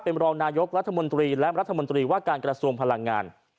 เป็นรองนายกรัฐมนตรีและรัฐมนตรีว่าการกระทรวงพลังงาน